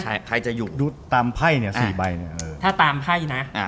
ใช่ใครจะอยู่ตามไพ่เนี่ยสี่ใบเนี่ยเออถ้าตามไพ่นะอ่า